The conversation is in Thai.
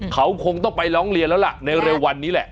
เขาคงต้องไปร้องเรียนแล้วล่ะในเร็ววันนี้แหละ